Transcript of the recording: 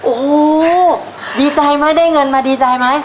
โอ้โหดีใจไหมได้เงินมาดีใจไหม